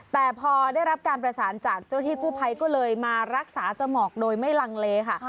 แต่พอได้รับการประสานจากเจ้าที่กู้ภัยก็เลยมารักษาจมูกโดยไม่ลังเลค่ะ